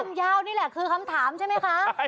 ยาวนี่แหละคือคำถามใช่ไหมคะ